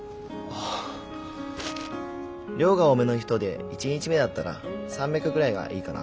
量が多めの人で１日目だったら３００ぐらいがいいかな。